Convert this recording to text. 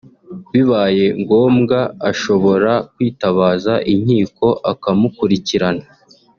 bibaye ngombwa ashobora kwitabaza inkiko akamukurikirana